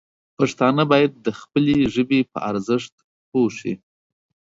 پښتانه باید د خپلې ژبې په ارزښت پوه شي.